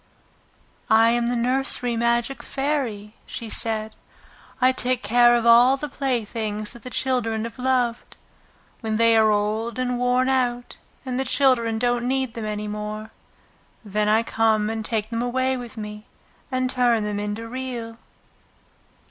"I am the nursery magic Fairy," she said. "I take care of all the playthings that the children have loved. When they are old and worn out and the children don't need them any more, then I come and take them away with me and turn them into Real."